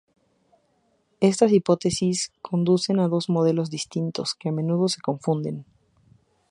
Estas hipótesis conducen a dos modelos distintos, que a menudo se confunden.